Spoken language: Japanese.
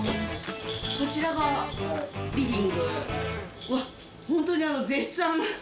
こちらがリビング？